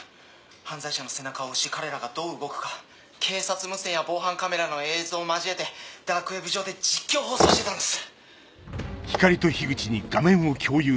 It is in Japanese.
犯罪者の背中を押し彼らがどう動くか警察無線や防犯カメラの映像を交えてダークウェブ上で実況放送してたんです。